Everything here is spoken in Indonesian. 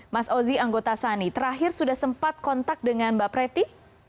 mas ozi anggota sani terakhir sudah sempat kontak dengan mbak preti